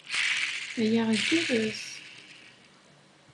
Aya igerrez.